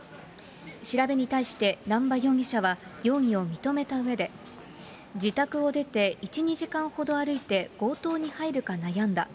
調べに対して、南場容疑者は容疑を認めたうえで、自宅を出て１、２時間ほど歩いて、強盗に入るか悩んだ。